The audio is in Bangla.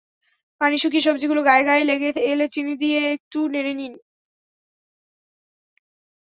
পানি শুকিয়ে সবজিগুলো গায়ে গায়ে লেগে এলে চিনি দিয়ে একটু নেড়ে নিন।